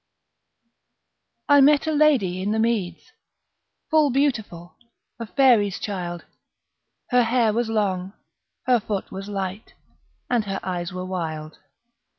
I met a lady in the meads, Full beautiful, a faery's child: Her hair was long, her foot was ligh, And her eyes were wild.